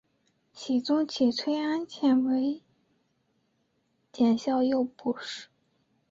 僖宗起崔安潜为检校右仆射。